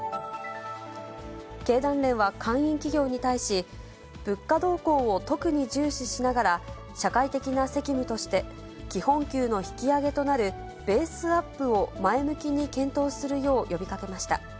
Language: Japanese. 経団連は会員企業に対し、物価動向を特に重視しながら、社会的な責務として基本給の引き上げとなるベースアップを前向きに検討するよう呼びかけました。